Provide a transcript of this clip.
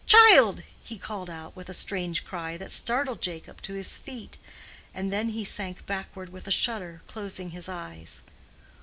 child!" he called out with a strange cry that startled Jacob to his feet, and then he sank backward with a shudder, closing his eyes.